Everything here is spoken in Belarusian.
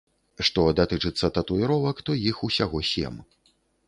Што датычыцца татуіровак, то іх усяго сем.